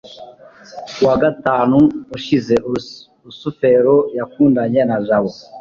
ku wa gatanu ushize, rusufero yakundanye na jabo